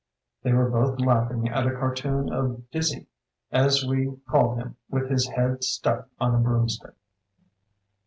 They were both laughing at a cartoon of 'Dizzy' as we called him with his head stuck on a broomstick.